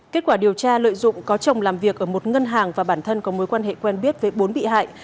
kết quả điều tra lợi dụng có chồng làm việc ở một ngân hàng và bản thân có mối quan hệ quen biết với bốn bị hại